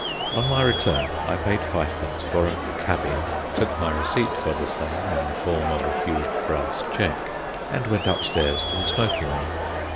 On my return I paid fivepence for a "cabin," took my receipt for the same in the form of a huge brass check, and went upstairs to the smoking room.